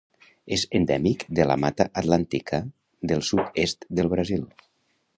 És endèmic de la Mata Atlàntica del sud-est del Brasil.